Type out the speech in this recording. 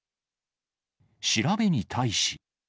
調べに対し。